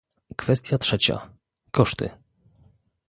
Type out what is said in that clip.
Kwestia trzecia - koszty